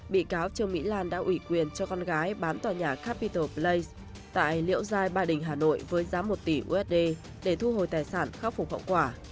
bị cáo trương mỹ lan đã ủy quyền cho con gái bán tòa nhà capital play tại liễu giai ba đình hà nội với giá một tỷ usd để thu hồi tài sản khắc phục hậu quả